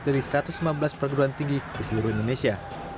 dari satu ratus lima belas perguruan tinggi di seluruh indonesia